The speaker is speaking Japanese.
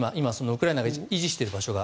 ウクライナが維持している場所